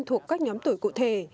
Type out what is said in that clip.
thuộc các nhóm tuổi cụ thể